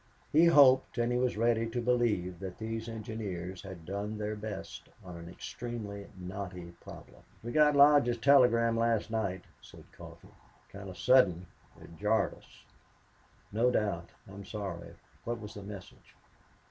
He hoped, and he was ready to believe, that these engineers had done their best on an extremely knotty problem. "We got Lodge's telegram last night," said Coffee. "Kinda sudden. It jarred us." "No doubt. I'm sorry. What was the message?"